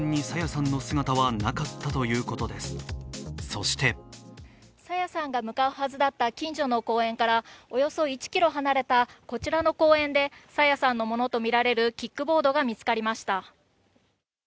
そして朝芽さんが向かうはずだった近所の公園からおよそ１ｋｍ離れたこちらの公園で朝芽さんのものとみられるキックボードが見つかりました。